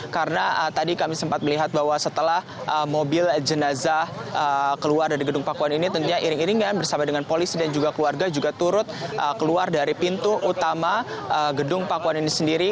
karena tadi kami sempat melihat bahwa setelah mobil jenazah keluar dari gedung pakuan ini tentunya iring iringan bersama dengan polisi dan juga keluarga juga turut keluar dari pintu utama gedung pakuan ini sendiri